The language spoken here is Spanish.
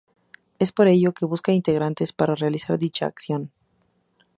Es por ello que busca integrantes para realizar dicha acción.